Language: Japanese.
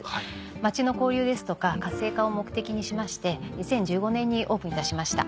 街の交流ですとか活性化を目的にしまして２０１５年にオープンいたしました。